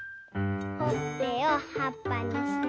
ほっぺをはっぱにして。